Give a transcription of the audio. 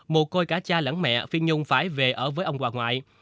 mù côi cả cha lẫn mẹ phi nhung phải về ở với ông hoà ngoại